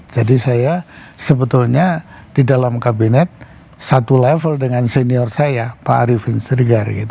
jadi saya sebetulnya di dalam kabinet satu level dengan senior saya pak ariefin serigari